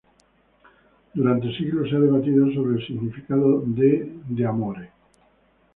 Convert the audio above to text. Durante siglos se ha debatido sobre el significado de "De Amore".